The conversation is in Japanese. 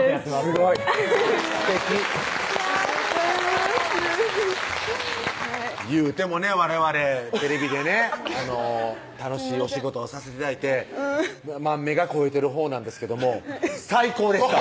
すごいすてき幸せそういうてもねわれわれテレビでね楽しいお仕事をさせて頂いて目が肥えてるほうなんですけども最高でした！